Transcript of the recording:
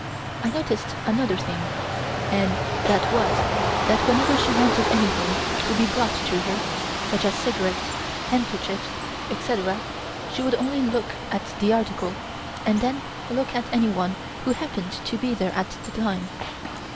I noticed another thing, and that was that whenever she wanted anything to be brought to her, such as cigarettes, handkerchief, etc., she would only look at the article and then look at anyone who happened to be there at the time.